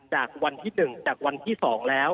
จากวันที่๑จากวันที่๒แล้ว